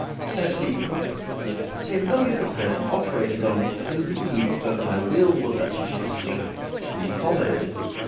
Says he: "So long as the person operated on believed that my will was that she should sleep, sleep followed.